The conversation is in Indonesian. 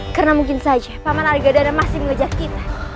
karena mungkin saja paman argadana masih mengejar kita